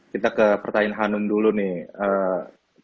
kita ke pertanyaan hanum dulu nih